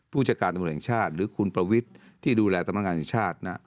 พูดจากการตำรวจอีกจำนวนชาติหรือคุณประวิทย์ที่ดูแลตำรวจอีกจำนวนชาติ